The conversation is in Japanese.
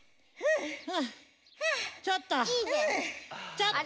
ちょっと！